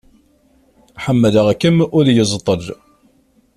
Ḥemmleɣ-kem ul yeẓṭel.